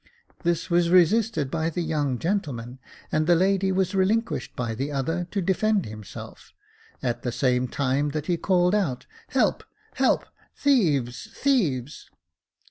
This was resisted by the young gentleman, and the lady was relinquished by the other, to defend himself j at the same time that he called out, " Help, help ! Thieves, thieves